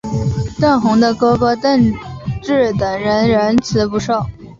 邓弘的哥哥邓骘等人仍辞不受。